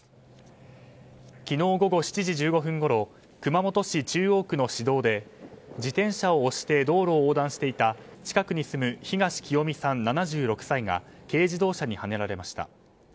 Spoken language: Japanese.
昨日午後７時１５分ごろ熊本市中央区の市道で自転車を押して道路を横断していた近くに住む東紀代美さん、７６歳が軽自動車にはねられました。